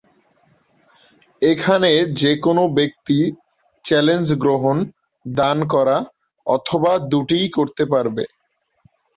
এখানে যে কোন ব্যক্তি চ্যালেঞ্জ গ্রহণ, দান করা অথবা দুটিই করতে পারবে।